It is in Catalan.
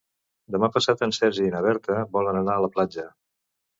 Demà passat en Sergi i na Berta volen anar a la platja.